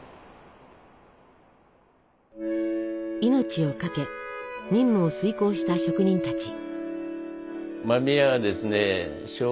命を懸け任務を遂行した職人たち。